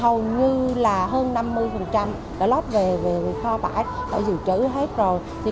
hầu như là hơn năm mươi đã lót về kho bãi đã dự trữ hết rồi